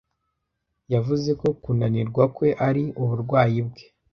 Yavuze ko kunanirwa kwe ari uburwayi bwe.